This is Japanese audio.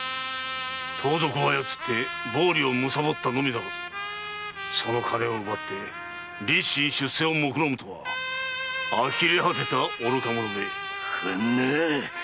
盗賊を操って暴利をむさぼったのみならずその金を奪って立身出世をもくろむとはあきれ果てた愚か者め。